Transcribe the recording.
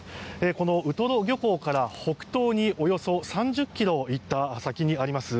このウトロ漁港から北東におよそ３０ｋｍ行った先にあります